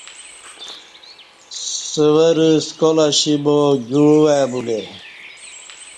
سوہ رہ سکال اشی با گیوع وای بولے